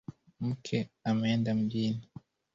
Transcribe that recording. Mkeo ameenda mjini